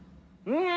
うん！